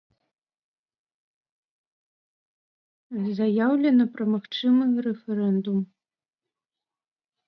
Заяўлена пра магчымы рэферэндум.